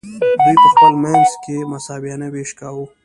دوی په خپل منځ کې مساویانه ویش کاوه.